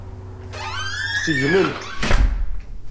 Seggmen-t.